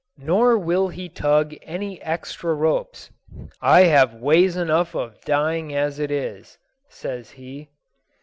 Nor will he tug any extra ropes. "I have ways enough of dying as it is," says he.